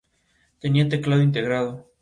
Tenía teclado integrado.